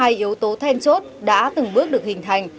hai yếu tố then chốt đã từng bước được hình thành